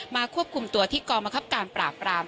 ควบคุมตัวที่กองบังคับการปราบราม